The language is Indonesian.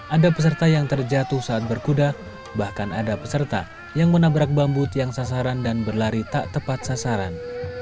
ada peserta yang terjatuh saat berkuda bahkan ada peserta yang menabrak bambut yang sasaran dan berlari tak tepat sasaran